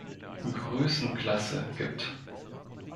Größenklasse gibt.